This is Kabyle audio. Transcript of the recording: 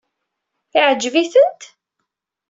Iɛǧeb-itent?